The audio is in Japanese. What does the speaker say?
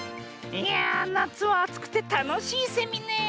いやあなつはあつくてたのしいセミねえ。